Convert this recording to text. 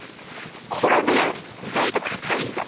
これね意外と硬いんだ。